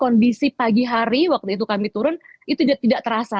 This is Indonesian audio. kondisi pagi hari waktu itu kami turun itu tidak terasa